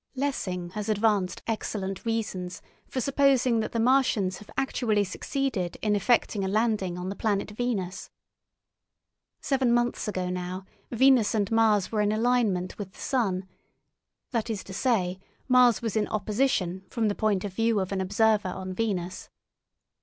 Lessing has advanced excellent reasons for supposing that the Martians have actually succeeded in effecting a landing on the planet Venus. Seven months ago now, Venus and Mars were in alignment with the sun; that is to say, Mars was in opposition from the point of view of an observer on Venus.